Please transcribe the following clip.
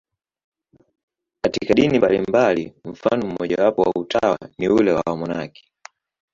Katika dini mbalimbali, mfano mmojawapo wa utawa ni ule wa wamonaki.